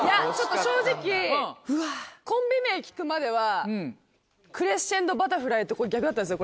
正直コンビ名聞くまではクレッシェンドバタフライと逆だったんです